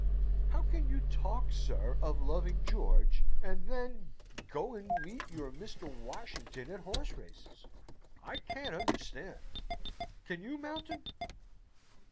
"How you can talk, sir, of loving George, and then go and meet your Mr. Washington at horse races, I can't understand! Can you, Mountain?"